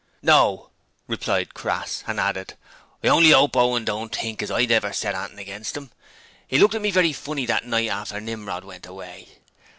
'No,' replied Crass, and added: 'I only 'ope Owen don't think as I never said anything against 'im. 'E looked at me very funny that night after Nimrod went away.